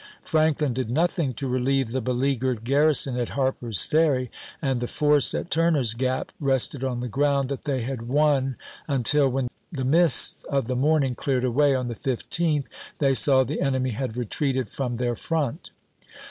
Franklin did nothing to relieve the beleaguered garrison at Harper's Ferry, and the force at Tur ner's Gap rested on the ground that they had won until, when the mists of the morning cleared away on the 15th, they saw the enemy had retreated sept.,i862. from their front.